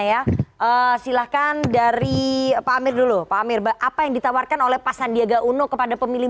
ya silahkan dari pak amir dulu pak amir apa yang ditawarkan oleh pak sandiaga uno kepada pemilih